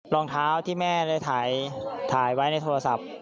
รองเท้าที่แม่ได้ถ่ายไว้ในโทรศัพท์